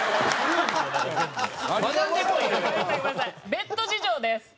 ベッド事情です。